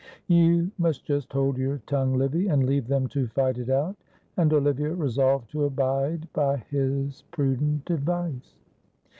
You must just hold your tongue, Livy, and leave them to fight it out." And Olivia resolved to abide by this prudent advice.